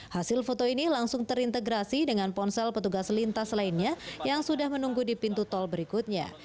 hasil foto ini langsung terintegrasi dengan ponsel petugas lintas lainnya yang sudah menunggu di pintu tol berikutnya